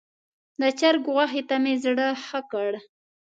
د چرګ غوښې ته مې زړه ښه کړ.